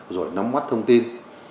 rồi nắm mắt thông tin